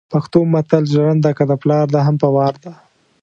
پښتو متل ژرنده که دپلار ده هم په وار ده